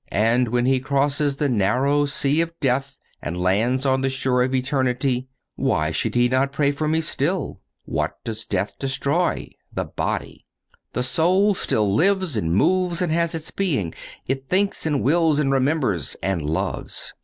And when he crosses the narrow sea of death and lands on the shores of eternity, why should he not pray for me still? What does death destroy? The body. The soul still lives and moves and has its being. It thinks and wills and remembers and loves.